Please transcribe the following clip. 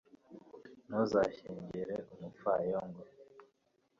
ntuzashyengere umupfayongo